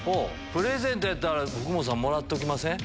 プレゼントやったら福本さんもらっときません？